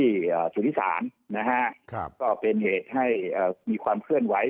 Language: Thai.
ที่อ่าสริษารนะฮะก็เป็นเหตุให้อ่ามีความเคลื่อนไหว